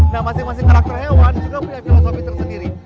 nah masing masing karakter hewan juga punya filosofi tersendiri